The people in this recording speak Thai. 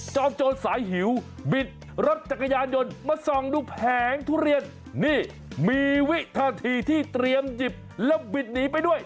โจรสายหิวบิดรถจักรยานยนต์มาส่องดูแผงทุเรียนนี่มีวินาทีที่เตรียมหยิบแล้วบิดหนีไปด้วย